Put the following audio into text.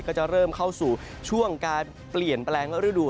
ก็จะเริ่มเข้าสู่ช่วงการเปลี่ยนแปลงฤดู